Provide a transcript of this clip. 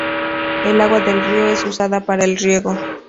El agua del río es usada para el riego.